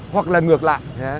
hoặc là ngược lại